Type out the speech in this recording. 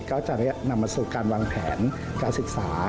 ก็จะนำมาสู่การวางแผนการศึกษา